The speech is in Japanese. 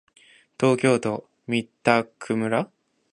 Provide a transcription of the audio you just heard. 東京都三宅村